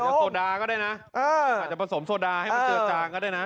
โซดาก็ได้นะอาจจะผสมโซดาให้มันเจอจางก็ได้นะ